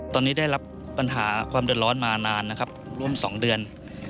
ตอนนี้ได้รับปัญหาความเดือดร้อนมานานนะครับร่วม๒เดือน